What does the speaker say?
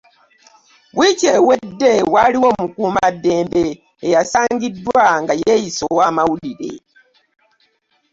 Wiiki ewedde waliwo omukuuma ddembe eyasangiddwa nga yeeyise ow’amawulire.